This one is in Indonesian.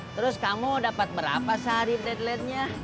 terus kamu dapat berapa sehari deadletnya